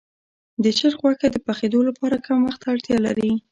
د چرګ غوښه د پخېدو لپاره کم وخت ته اړتیا لري.